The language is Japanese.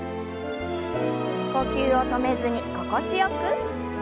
呼吸を止めずに心地よく。